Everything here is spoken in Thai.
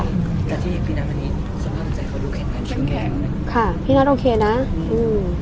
แต่ที่พี่นัทวันนี้คุณค่อนข้างใจเขาดูแข็งชีวิตไหม